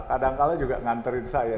kadang kadang juga nganterin saya